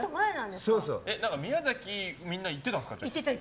宮崎、みんな行ってたんですか。